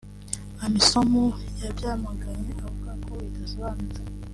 Amisom yabyamaganye ivuga ko bidasobanutse